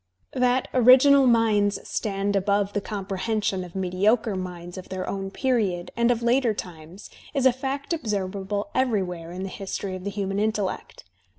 That original minds stand above the comprehension of mediocre minds of their own period and of later times is a fact observable everywhere in the history of the human •intellect.